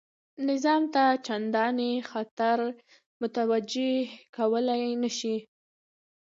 نظام ته چنداني خطر متوجه کولای نه شي.